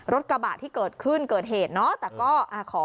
รถกระบะที่เกิดขึ้นเกิดเหตุเนาะแต่ก็ขอ